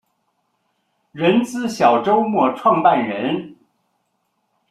人资小周末创办人